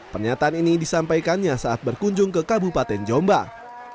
pernyataan ini disampaikannya saat berkunjung ke kabupaten jawa timur